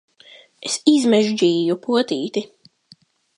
Es izmežģīju potīti!